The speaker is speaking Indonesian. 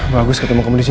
bagus ketemu kamu disini